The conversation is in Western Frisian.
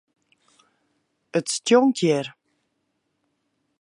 It stjonkt hjir.